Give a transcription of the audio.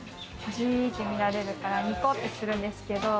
ずっと見られるからニコってするんですけど。